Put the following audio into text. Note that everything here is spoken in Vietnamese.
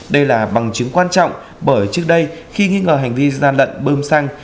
đây là bằng chứng quan trọng bởi trước đây khi nghi ngờ hành vi gian lận bơm xăng